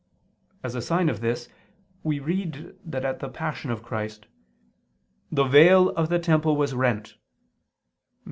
As a sign of this, we read that at the Passion of Christ "the veil of the temple was rent" (Matt.